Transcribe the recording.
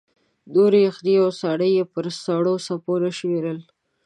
نورې یخنۍ او ساړه یې پر سړو څپو نه شمېرل.